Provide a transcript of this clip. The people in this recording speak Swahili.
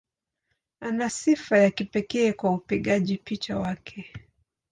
Ana sifa ya kipekee kwa upigaji picha wake.